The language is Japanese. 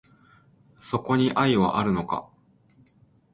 そこに愛はあるのか